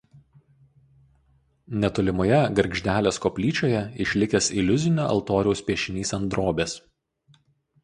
Netolimoje Gargždelės koplyčioje išlikęs iliuzinio altoriaus piešinys ant drobės.